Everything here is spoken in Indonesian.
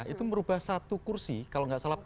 itu merubah satu kursi kalau nggak salah